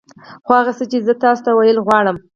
خو هغه څه چې زه يې تاسو ته ويل غواړم.